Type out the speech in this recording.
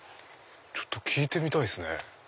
ちょっと聞いてみたいですね。